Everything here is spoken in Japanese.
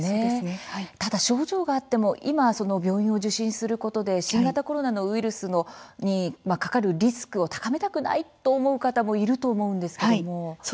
ただ症状があっても今、病院を受診することで新型コロナにかかるリスクを高めたくないという方もいると思います。